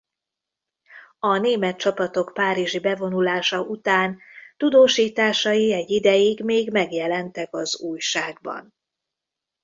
A német csapatok párizsi bevonulása után tudósításai egy ideig még megjelentek az Újságban.